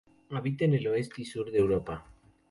Habita en el Oeste y sur de Europa.